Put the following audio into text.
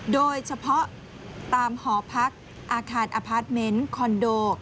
โดยเฉพาะตามหอพักอาคารอพาร์ทเมนต์คอนโด